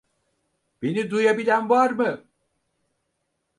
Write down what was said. Beni duyabilen var mı?